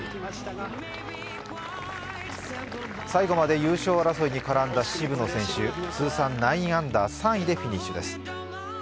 最後まで優勝争いに絡んだ渋野選手、通算９アンダー３位でフィニッシュです。